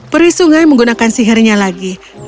peri sungai menggunakan sihirnya lagi